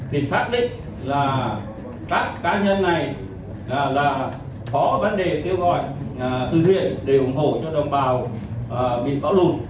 thì xác định là các cá nhân này là có vấn đề kêu gọi từ huyện để ủng hộ cho đồng bào bị bão lụt